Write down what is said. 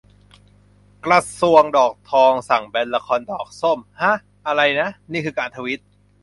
กระทรวงดอกทองสั่งแบนละครดอกส้ม ห๊ะ ! อะไรนะ ! ? นี่คือการทวีต